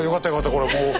これもう。